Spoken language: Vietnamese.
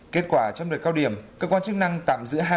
kết quả trong đợt cao điểm cơ quan chức năng tạm giữ hai đồng